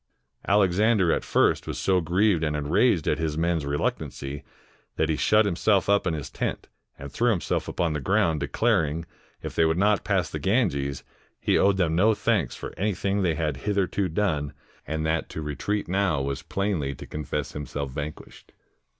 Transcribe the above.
Alexander at first was so grieved and enraged at his men's reluctancy, that he shut himself up in his tent, and threw himself upon the ground, declaring, if they would not pass the Ganges, he owed them no thanks for anything they had hitherto done, and that to retreat now was plainly to confess himself vanquished.